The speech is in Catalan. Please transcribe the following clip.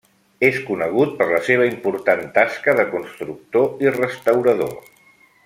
És conegut per la seva important tasca de constructor i restaurador.